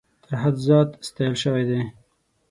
تر حد زیات ستایل سوي دي.